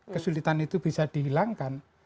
kesulitan itu bisa dihilangkan